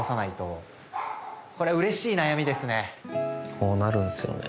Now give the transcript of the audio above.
こうなるんですよね